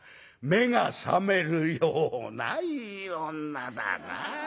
「目が覚めるようないい女だなあ。